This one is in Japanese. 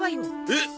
えっ！？